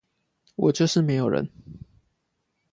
我就是沒有人